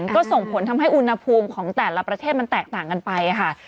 ก็ส่งผลทำให้อุณหภูมิของแต่ละประเทศมันแตกต่างกันไปค่ะ